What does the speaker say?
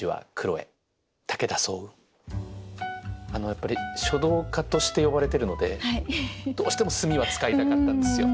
やっぱり書道家として呼ばれてるのでどうしても「墨」は使いたかったんですよ。